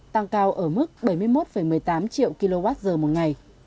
tăng cao ở mức bảy mươi một một mươi tám triệu kwh một ngày